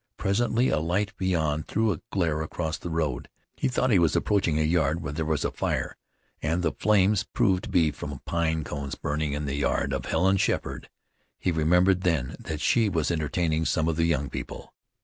Presently a light beyond threw a glare across the road. He thought he was approaching a yard where there was a fire, and the flames proved to be from pine cones burning in the yard of Helen Sheppard. He remembered then that she was entertaining some of the young people.